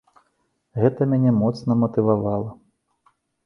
Гэта мяне моцна матывавала.